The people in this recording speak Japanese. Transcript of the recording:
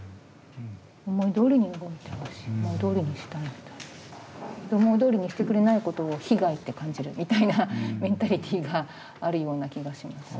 思いどおりに動いてほしい思いどおりにしたい思いどおりにしてくれないことを被害って感じるみたいなメンタリティーがあるような気がします。